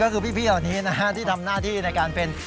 ก็คือพี่เหล่านี้นะฮะที่ทำหน้าที่ในการเป็น